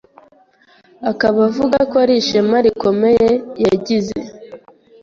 akaba avuga ko ari ishema rikomeye yagize